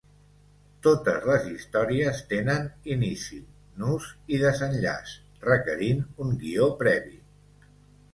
Totes les històries tenen inici, nus i desenllaç, requerint un guió previ.